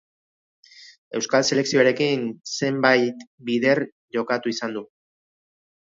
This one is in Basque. Euskal selekzioarekin zenbait bider jokatu izan du.